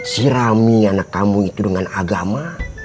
sirami anak kamu itu dengan agama